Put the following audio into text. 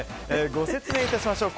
ご説明いたしましょう。